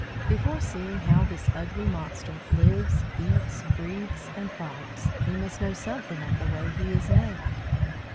Before seeing how this ugly monster lives, eats, breathes and fights, we must know something of the way he is made.